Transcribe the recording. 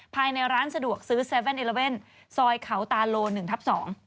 ภายในร้านสะดวกซื้อ๗๑๑ซอยเขาตาโล๑ทับ๒